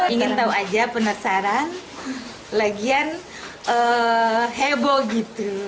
ingin tahu aja penasaran lagian heboh gitu